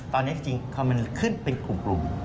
ตอนนี้จริงพอมันขึ้นเป็นกลุ่ม